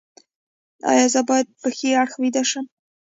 ایا زه باید په ښي اړخ ویده شم؟